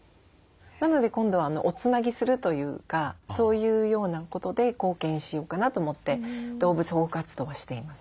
なので今度はおつなぎするというかそういうようなことで貢献しようかなと思って動物保護活動はしています。